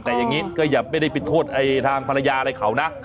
แต่อย่างนี้ก็อย่าไม่ได้ไปโทษทางภรรยาอะไรเขานะ